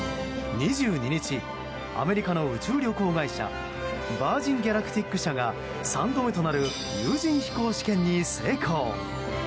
２２日アメリカの宇宙旅行会社ヴァ−ジン・ギャラティック社が３度目となる有人飛行試験に成功。